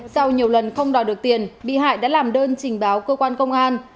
sau nhiều lần không đòi được tiền bị hại đã làm đơn trình báo cơ quan công an